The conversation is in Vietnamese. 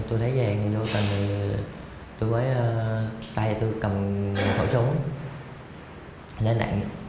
tôi thấy vàng tôi mới tay tôi cầm khẩu súng lên đạn